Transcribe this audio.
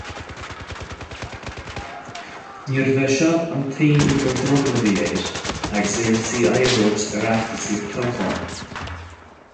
Níorbh é seo an t-aon údar drogaill a bhí ar agus é ar tí aghaidh a thabhairt ar fheachtasaíocht toghcháin.